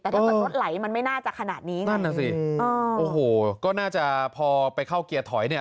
แต่ถ้าเกิดรถไหลมันไม่น่าจะขนาดนี้นั่นน่ะสิโอ้โหก็น่าจะพอไปเข้าเกียร์ถอยเนี่ย